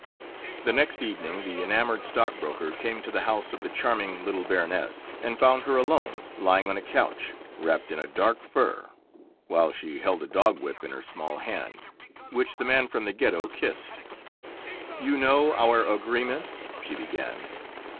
The next evening the enamored stockbroker came to the house of the charming little Baroness, and found her alone, lying on a couch, wrapped in a dark fur, while she held a dog whip in her small hand, which the man from the Ghetto kissed. "You know our agreement," she began.